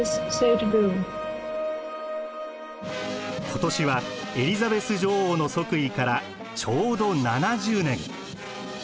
今年はエリザベス女王の即位からちょうど７０年。